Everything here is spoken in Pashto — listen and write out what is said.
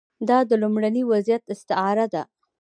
دا د لومړني وضعیت استعاره ده.